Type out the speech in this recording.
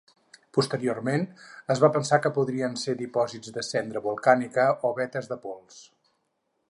Posteriorment es va pensar que podrien ser dipòsits de cendra volcànica o vetes de pols.